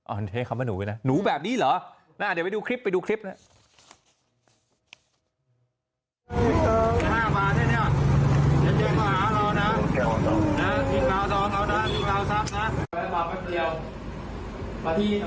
อ่ะเฮ้ยคำว่าหนูกันนะหนูแบบนี้เหรอน่ะเดี๋ยวไปดูคลิปไปดูคลิปน่ะ